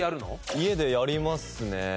家でやりますね。